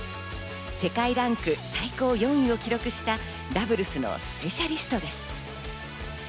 世界ランク最高４位を記録したダブルスのスペシャリストです。